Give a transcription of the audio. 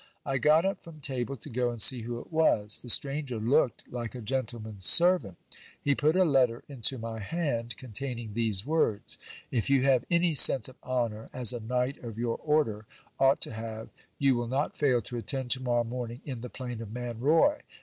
I got up from table to go and see who it was. The stranger looked like a gentleman's servant He put a letter into my hand, containing these words : "If you have any sense of honour, as a knight of your order ought to have, you will not fail to attend to morrow morning in the plain of Manroi.